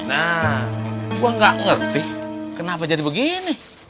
nah gue gak ngerti kenapa jadi begini